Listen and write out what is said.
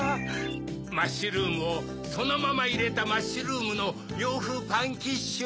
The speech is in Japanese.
マッシュルームをそのままいれたマッシュルームのようふうパンキッシュ。